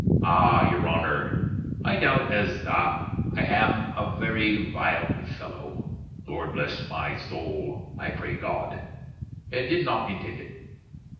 Ah! your Honner! I doubte as tha I am a very vild fellow, (Lord bless my soil, I pray God!) and did not intend it.